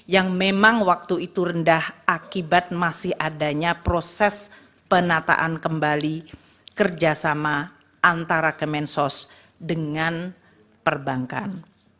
yang memang waktu itu rendah akibat masih adanya proses penataan kembali kerjasama antara kemensos dengan perbankan